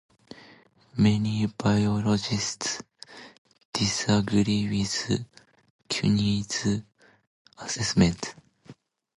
Many biologists disagree with Quinn's assessment.